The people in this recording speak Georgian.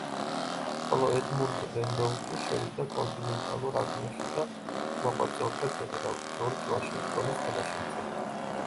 ხოლო ედმუნდ რენდოლფი შევიდა კონტინენტალურ არმიაში და იქ მოღვაწეობდა გენერალ ჯოჯრ ვაშინგტონის თანაშემწედ.